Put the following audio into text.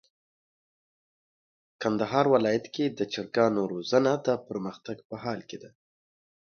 د کندهار ولايت کي د چرګانو روزنه د پرمختګ په حال کي ده.